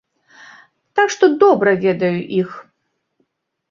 Так што добра ведаю іх!